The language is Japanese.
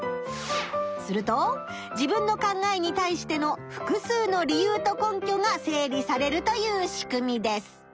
すると自分の考えに対しての複数の理由と根拠が整理されるという仕組みです。